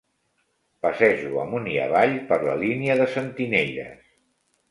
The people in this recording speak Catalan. Passejo amunt i avall per la línia de sentinelles